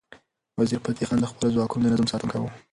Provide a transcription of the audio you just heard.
وزیرفتح خان د خپلو ځواکونو د نظم ساتونکی و.